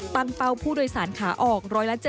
เป้าผู้โดยสารขาออก๑๗๐